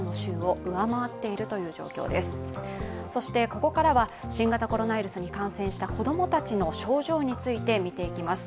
ここからは新型コロナウイルスに感染した子供たちの症状について見ていきます。